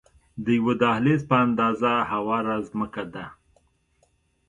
د یوه دهلیز په اندازه هواره ځمکه ده.